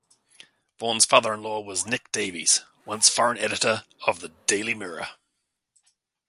Vaughan's father-in-law was Nick Davies, once foreign editor of the "Daily Mirror".